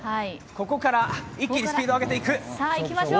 ここから一気にスピードを上げる。